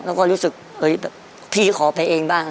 แล้วก็รู้สึกเฮ้ยแบบพี่ขอไปเองบ้าง